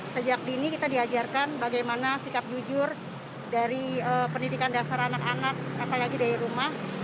sejak dini kita diajarkan bagaimana sikap jujur dari pendidikan dasar anak anak apalagi dari rumah